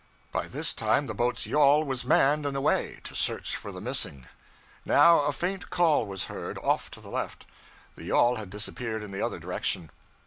By this time the boat's yawl was manned and away, to search for the missing. Now a faint call was heard, off to the left. The yawl had disappeared in the other direction.